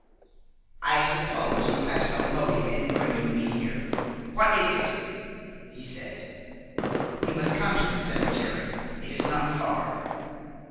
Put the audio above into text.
"I suppose you have some motive in bringing me here. What is it?" he said. "You must come to the cemetery. It is not far."